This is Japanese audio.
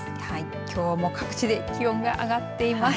きょうも各地で気温が上がっています。